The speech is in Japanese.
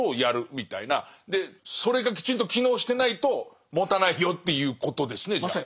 それがきちんと機能してないともたないよっていうことですねじゃあ。